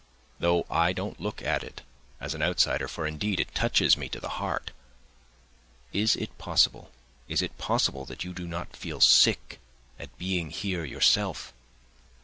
Though I don't look at it as an outsider, for, indeed, it touches me to the heart.... Is it possible, is it possible that you do not feel sick at being here yourself?